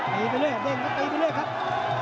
ตีไปเรื่อยตีไปเรื่อยครับ